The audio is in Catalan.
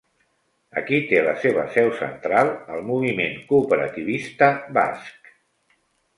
Aquí té la seva seu central el moviment cooperativista basc.